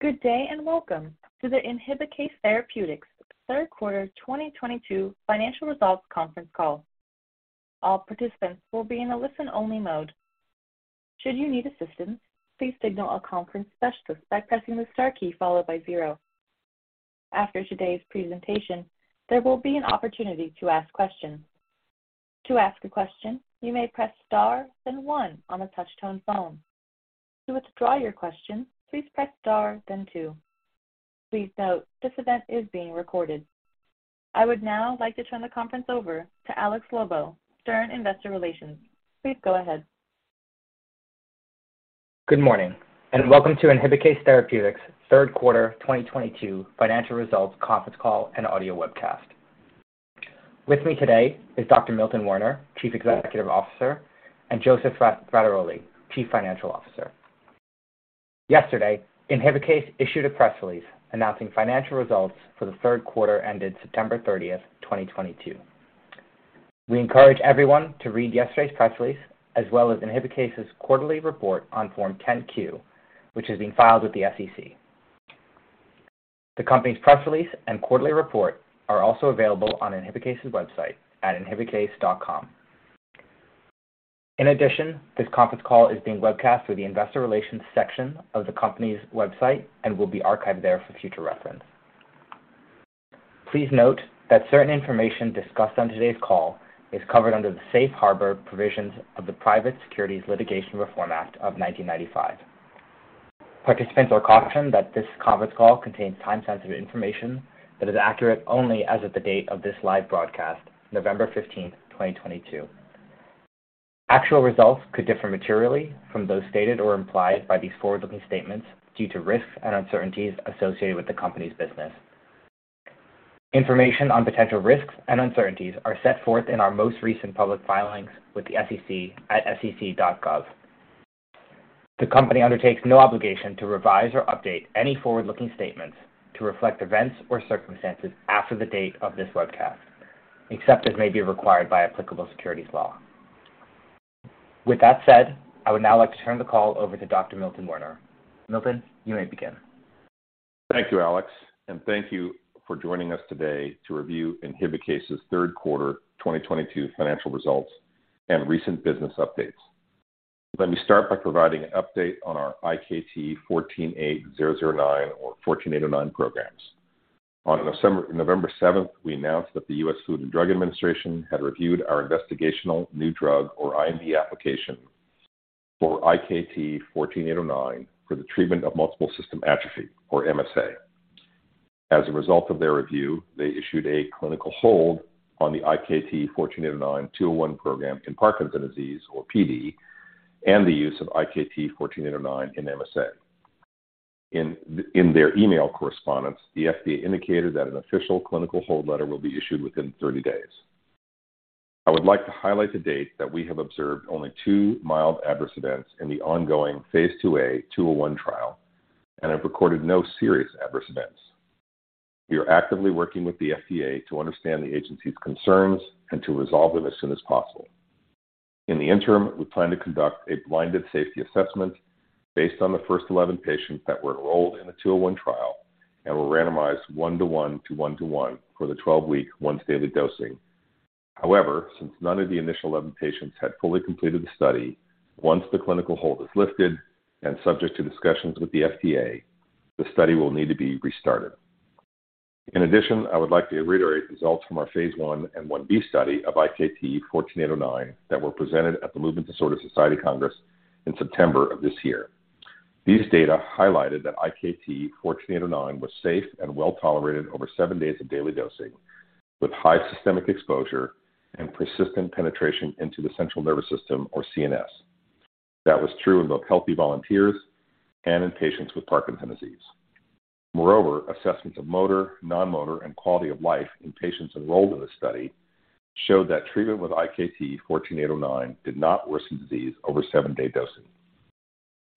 Good day, and welcome to the Inhibikase Therapeutics third quarter 2022 financial results conference call. All participants will be in a listen-only mode. Should you need assistance, please signal a conference specialist by pressing the star key followed by zero. After today's presentation, there will be an opportunity to ask questions. To ask a question, you may press star then one on a touch-tone phone. To withdraw your question, please press star then two. Please note, this event is being recorded. I would now like to turn the conference over to Alex Lobo, Stern Investor Relations. Please go ahead. Good morning, and welcome to Inhibikase Therapeutics third quarter 2022 financial results conference call and audio webcast. With me today is Dr. Milton Werner, Chief Executive Officer, and Joseph Frattaroli, Chief Financial Officer. Yesterday, Inhibikase issued a press release announcing financial results for the third quarter ended September 30th, 2022. We encourage everyone to read yesterday's press release as well as Inhibikase's quarterly report on Form 10-Q, which is being filed with the SEC. The company's press release and quarterly report are also available on Inhibikase's website at inhibikase.com. In addition, this conference call is being webcast through the investor relations section of the company's website and will be archived there for future reference. Please note that certain information discussed on today's call is covered under the safe harbor provisions of the Private Securities Litigation Reform Act of 1995. Participants are cautioned that this conference call contains time-sensitive information that is accurate only as of the date of this live broadcast, November 15, 2022. Actual results could differ materially from those stated or implied by these forward-looking statements due to risks and uncertainties associated with the company's business. Information on potential risks and uncertainties are set forth in our most recent public filings with the SEC at sec.gov. The company undertakes no obligation to revise or update any forward-looking statements to reflect events or circumstances after the date of this webcast, except as may be required by applicable securities law. With that said, I would now like to turn the call over to Dr. Milton Werner. Milton, you may begin. Thank you, Alex, and thank you for joining us today to review Inhibikase's third quarter 2022 financial results and recent business updates. Let me start by providing an update on our IkT-148009 or 1489 programs. On November 7, we announced that the U.S. Food and Drug Administration had reviewed our investigational new drug or IND application for IkT-148009 for the treatment of multiple system atrophy or MSA. As a result of their review, they issued a clinical hold on the IkT-148009 201 program in Parkinson's disease or PD, and the use of IkT-148009 in MSA. In their email correspondence, the FDA indicated that an official clinical hold letter will be issued within 30 days. I would like to highlight to date that we have observed only two mild adverse events in the ongoing phase II-A, 201 trial and have recorded no serious adverse events. We are actively working with the FDA to understand the agency's concerns and to resolve them as soon as possible. In the interim, we plan to conduct a blinded safety assessment based on the first 11 patients that were enrolled in the 201 trial and were randomized one-to-one for the 12-week once daily dosing. However, since none of the initial 11 patients had fully completed the study, once the clinical hold is lifted and subject to discussions with the FDA, the study will need to be restarted. In addition, I would like to reiterate results from our Phase 1 and 1b study of IKT-148009 that were presented at the Movement Disorder Society Congress in September of this year. These data highlighted that IKT-148009 was safe and well-tolerated over 7 days of daily dosing, with high systemic exposure and persistent penetration into the central nervous system or CNS. That was true in both healthy volunteers and in patients with Parkinson's disease. Moreover, assessments of motor, non-motor, and quality of life in patients enrolled in this study showed that treatment with IKT-148009 did not worsen disease over 7-day dosing.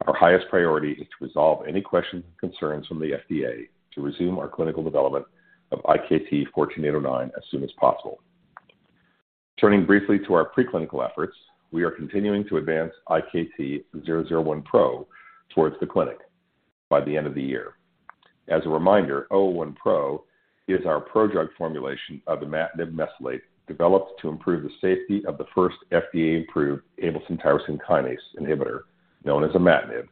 Our highest priority is to resolve any questions and concerns from the FDA to resume our clinical development of IKT-148009 as soon as possible. Turning briefly to our preclinical efforts, we are continuing to advance IkT-001Pro towards the clinic by the end of the year. As a reminder, IkT-001Pro is our prodrug formulation of imatinib mesylate, developed to improve the safety of the first FDA-approved Abl tyrosine kinase inhibitor, known as imatinib,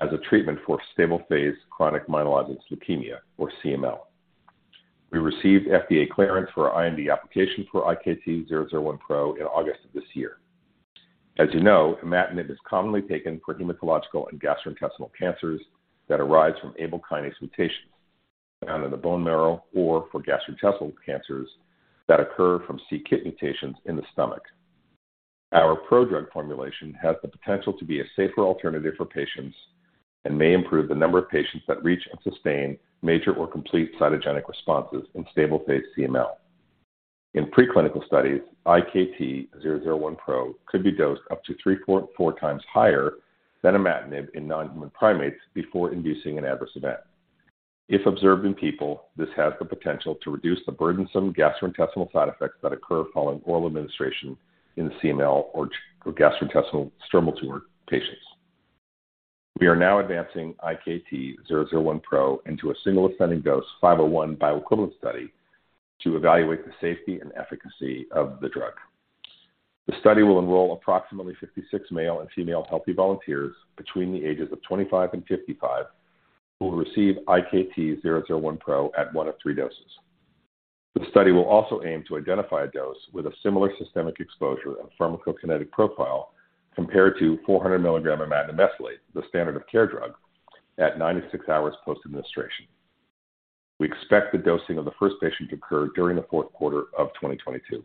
as a treatment for chronic phase chronic myelogenous leukemia or CML. We received FDA clearance for our IND application for IkT-001Pro in August of this year. As you know, imatinib is commonly taken for hematological and gastrointestinal cancers that arise from Abl kinase mutations, found in the bone marrow or for gastrointestinal cancers that occur from c-kit mutations in the stomach. Our prodrug formulation has the potential to be a safer alternative for patients and may improve the number of patients that reach and sustain major or complete cytogenetic responses in chronic phase CML. In preclinical studies, IkT-001Pro could be dosed up to 3.4 times higher than imatinib in non-human primates before inducing an adverse event. If observed in people, this has the potential to reduce the burdensome gastrointestinal side effects that occur following oral administration in CML or gastrointestinal stromal tumor patients. We are now advancing IkT-001Pro into a single ascending dose 501 bioequivalence study to evaluate the safety and efficacy of the drug. The study will enroll approximately 56 male and female healthy volunteers between the ages of 25 and 55 who will receive IkT-001Pro at one of three doses. The study will also aim to identify a dose with a similar systemic exposure and pharmacokinetic profile compared to 400 milligrams of imatinib mesylate, the standard of care drug at 96 hours post-administration. We expect the dosing of the first patient to occur during the fourth quarter of 2022.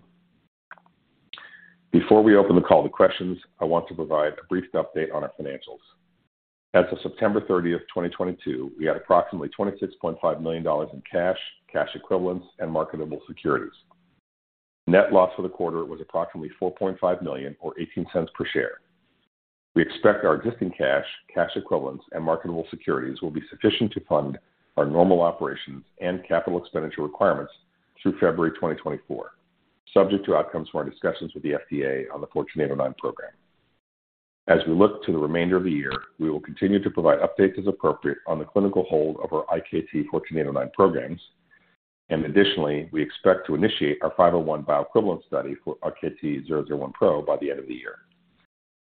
Before we open the call to questions, I want to provide a brief update on our financials. As of September 30, 2022, we had approximately $26.5 million in cash equivalents, and marketable securities. Net loss for the quarter was approximately $4.5 million or $0.18 per share. We expect our existing cash equivalents, and marketable securities will be sufficient to fund our normal operations and capital expenditure requirements through February 2024, subject to outcomes from our discussions with the FDA on the IkT-148009 program. As we look to the remainder of the year, we will continue to provide updates as appropriate on the clinical hold of our IkT-148009 programs. Additionally, we expect to initiate our 501 bioequivalence study for IkT-001Pro by the end of the year.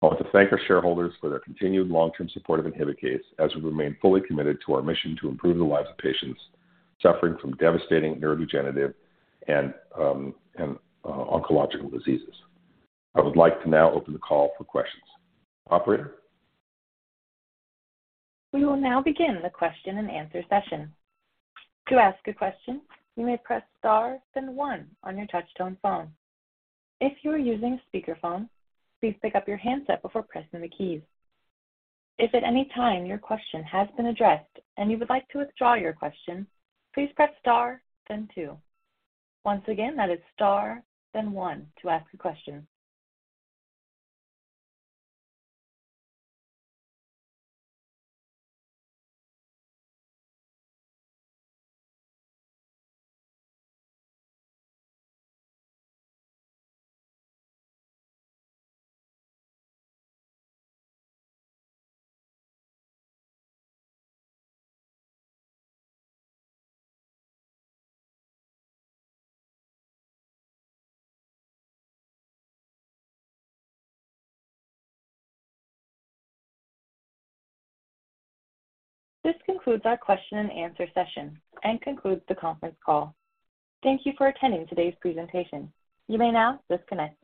I want to thank our shareholders for their continued long-term support of Inhibikase as we remain fully committed to our mission to improve the lives of patients suffering from devastating neurodegenerative and oncological diseases. I would like to now open the call for questions. Operator. We will now begin the question and answer session. To ask a question, you may press star then one on your touchtone phone. If you are using a speakerphone, please pick up your handset before pressing the keys. If at any time your question has been addressed and you would like to withdraw your question, please press star then two. Once again, that is star then one to ask a question. This concludes our question and answer session and concludes the conference call. Thank you for attending today's presentation. You may now disconnect.